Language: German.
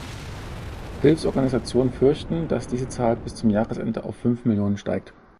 Hilfsorganisationen fürchten, dass diese Zahl bis zum Jahresende auf fünf Millionen steigt.